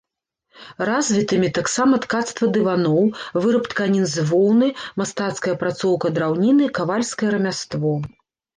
Развітымі таксама ткацтва дываноў, выраб тканін з воўны, мастацкая апрацоўка драўніны, кавальскае рамяство.